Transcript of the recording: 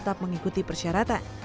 tetap mengikuti persyaratan